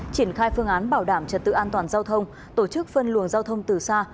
triển khai phương án bảo đảm trật tự an toàn giao thông tổ chức phân luồng giao thông từ xa